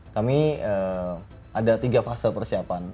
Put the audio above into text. kami ada tiga fase persiapan